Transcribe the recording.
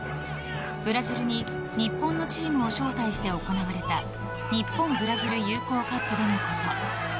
ブラジルに日本のチームを招待して行われた日本ブラジル友好カップでのこと。